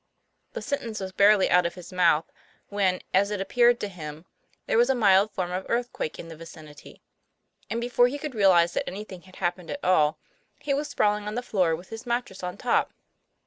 The sentence was barely out of his mouth, when, as it appeared to him, there was a mild form of earth quake in the vicinity; and before he could realize that anything had happened at all, he was sprawling on the floor with his mattress on top.